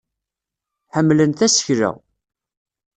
Ḥemmlen tasekla.